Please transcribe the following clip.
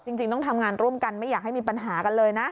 จริงต้องทำงานร่วมกันไม่อยากให้มีปัญหากันเลยนะ